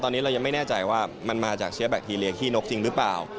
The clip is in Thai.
ตอนนี้เรายังไม่แน่ใจว่ามันมาจากเชื้อแบคทีเรียขี้นกจริงหรือเปล่า